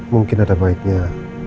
mungkin ada baiknya